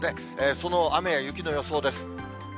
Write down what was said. その雨や雪の予想です。